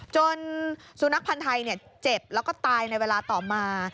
สุนัขพันธ์ไทยเจ็บแล้วก็ตายในเวลาต่อมา